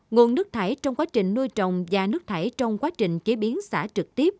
nguồn nước thải trong quá trình nuôi trồng và nước thải trong quá trình chế biến xả trực tiếp